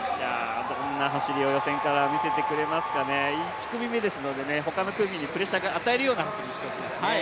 どんな走りを予選から見せてくれますかね、１組目ですからね、他の組にプレッシャー与えるような走りしてほしいですね。